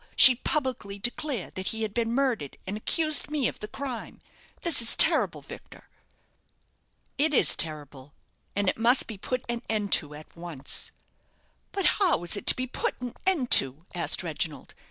She publicly declared that he had been murdered, and accused me of the crime. This is terrible, Victor." "It is terrible, and it must be put an end to at once." "But how is it to be put an end to?" asked Reginald.